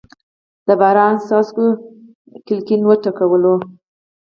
د باران څاڅکو کړکۍ وټکوله.